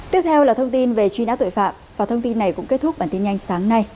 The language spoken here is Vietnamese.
tiếp theo là thông tin về truy nã tội phạm và thông tin này cũng kết thúc bản tin nhanh sáng nay